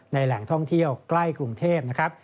แหล่งท่องเที่ยวใกล้กรุงเทพนะครับ